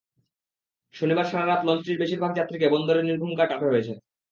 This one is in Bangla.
শনিবার সারা রাত লঞ্চটির বেশির ভাগ যাত্রীকে বন্দরে নির্ঘুম রাত কাটাতে হয়েছে।